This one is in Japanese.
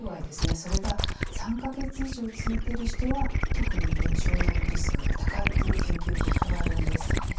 それが３か月以上続いている人は特に認知症になるリスクが高いという研究結果があるんです。